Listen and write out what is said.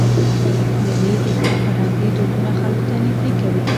میلې د ښار فرهنګي دودونه خلکو ته نږدې کوي.